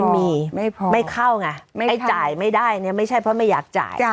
ไม่เข้าง่ะไม่จ่ายไม่ได้นี้ไม่ใช่จ่ายเพราะไม่อยากจ่าย